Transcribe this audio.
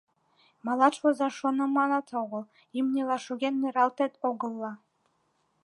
Малаш возаш шоныманат огыл, имньыла шоген нералтет огыла.